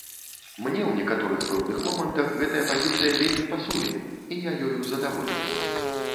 Мне ў некаторых пэўных момантах гэтая пазіцыя вельмі пасуе і я ёю задаволены.